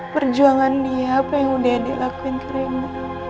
perjuangan dia apa yang udah dia lakuin ke reina